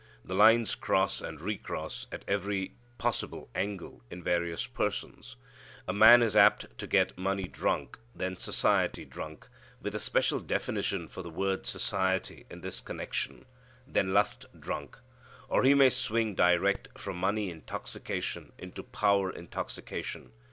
The lines cross and re cross at every possible angle in various persons. A man is apt to get money drunk then society drunk (with a special definition for the word society in this connection), then lust drunk. Or, he may swing direct from money intoxication into power intoxication.